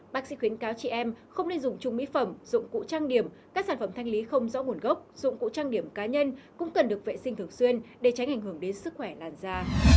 bác sĩ khuyến cáo chị em không nên dùng chung mỹ phẩm dụng cụ trang điểm các sản phẩm thanh lý không rõ nguồn gốc dụng cụ trang điểm cá nhân cũng cần được vệ sinh thường xuyên để tránh ảnh hưởng đến sức khỏe làn da